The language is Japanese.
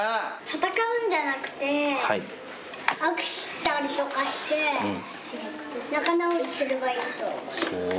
戦うんじゃなくて握手したりとかして仲直りすればいいと思う。